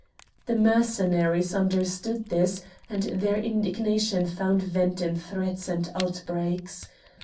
The Mercenaries understood this, and their indignation found vent in threats and outbreaks.